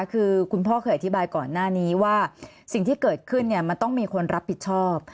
คือคุณพ่อเคยอธิบายก่อนหน้านี้ว่าสิ่งที่เกิดขึ้นมันต้องมีคนรับผิดชอบ